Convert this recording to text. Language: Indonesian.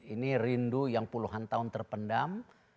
ini rindu yang puluhan tahun terpendam